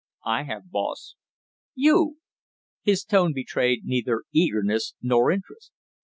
"I have, boss." "You?" His tone betrayed neither eagerness nor interest.